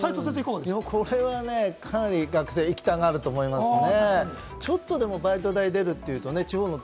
けれこれはかなり、学生が行きたがると思いますね。